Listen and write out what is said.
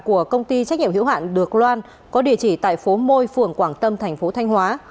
của công ty trách nhiệm hữu hạn được loan có địa chỉ tại phố môi phường quảng tâm thành phố thanh hóa